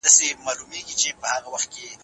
پېښور او کوهاټ هم مهاراجا ته ورکړل شول.